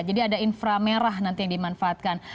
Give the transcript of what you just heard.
jadi ada infra merah nanti yang dimanfaatkan